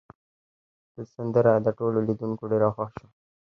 د ده سندره د ټولو لیدونکو ډیره خوښه شوه.